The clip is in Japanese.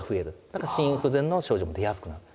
だから心不全の症状も出やすくなる。